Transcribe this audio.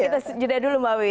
kita juda dulu mbak uy